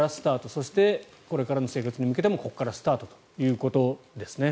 そしてこれからの生活もここからスタートということですね。